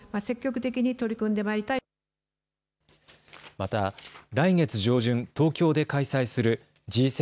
また来月上旬、東京で開催するＧ７